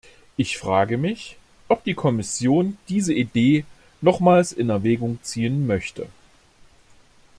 Ich frage mich, ob die Kommission diese Idee nochmals in Erwägung ziehen möchte.